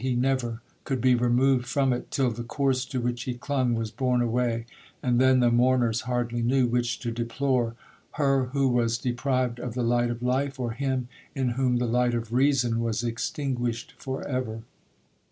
He never could be removed from it till the corse to which he clung was borne away, and then the mourners hardly knew which to deplore—her who was deprived of the light of life, or him in whom the light of reason was extinguished for ever!